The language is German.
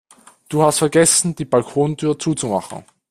Du hast vergessen die Balkontür zuzumachen